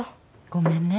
ごめんね。